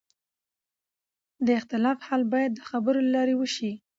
د اختلاف حل باید د خبرو له لارې وشي